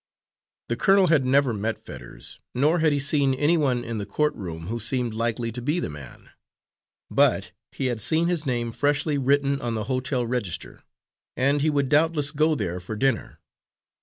The colonel had never met Fetters, nor had he seen anyone in the court room who seemed likely to be the man. But he had seen his name freshly written on the hotel register, and he would doubtless go there for dinner.